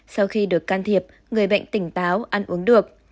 sau khi được can thiệp người bệnh tỉnh táo ăn uống được